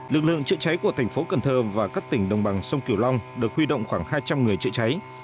lực lượng chữa cháy của thành phố cần thơ và các tỉnh đồng bằng sông kiểu long được huy động khoảng hai trăm linh người chữa cháy